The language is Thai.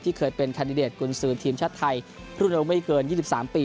เคยเป็นแคนดิเดตกุญสือทีมชาติไทยรุ่นอายุไม่เกิน๒๓ปี